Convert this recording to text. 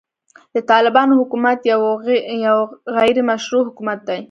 د طالبانو حکومت يو غيري مشروع حکومت دی.